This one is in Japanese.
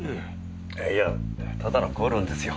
いやただの口論ですよ。